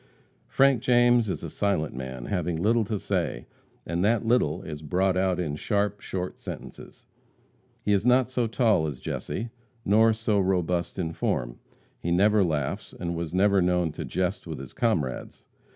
Frank James is a silent man, having little to say, and that little is brought out in sharp, short sentences. He is not so tall as Jesse, nor so robust in form. He never laughs, and was never known to jest with his comrades.